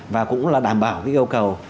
và cũng là đảm bảo cái yêu cầu